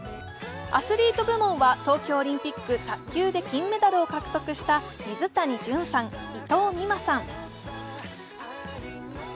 アスリート部門は東京オリンピック卓球で金メダルを獲得した水谷隼さん、伊藤美誠さん。